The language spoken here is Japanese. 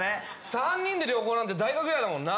３人で旅行なんて大学以来だな。